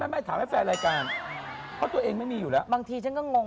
ไม่ถามให้แฟนรายการ